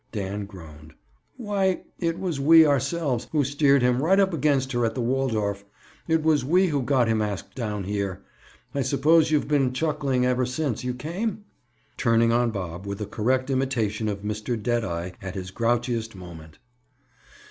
Dan groaned. "Why, it was we, ourselves, who steered him right up against her at the Waldorf. It was we who got him asked down here. I suppose you've been chuckling ever since you came?" Turning on Bob, with a correct imitation of Mr. Deadeye, at his grouchiest moment.